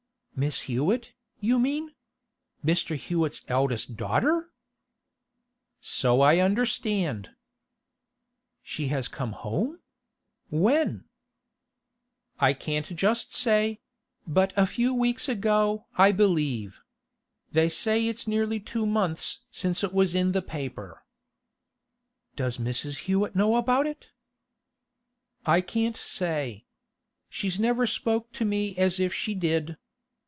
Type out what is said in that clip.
'Miss Hewett, you mean? Mr. Hewett's eldest daughter?' 'So I understand.' 'She has come home? When?' 'I can't just say; but a few weeks ago, I believe. They say it's nearly two months since it was in the paper.' 'Does Mrs. Hewett know about it?' 'I can't say. She's never spoke to me as if she did.